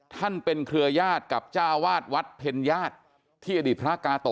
ท่านเป็นเครือยาศกับเจ้าวาดวัดเพ็ญญาติที่อดีตพระกาโต